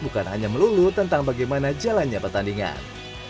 bukan hanya melulu tentang bagaimana jalannya pertandingan